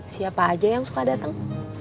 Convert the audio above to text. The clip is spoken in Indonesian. siapa aja yang suka datang